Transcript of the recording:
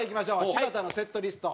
柴田のセットリスト。